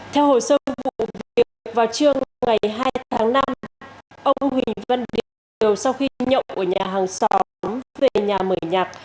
theo hồ sơ vụ việc vào trưa ngày hai tháng năm ông huỳnh văn điều sau khi nhậu ở nhà hàng xóm về nhà mở nhạc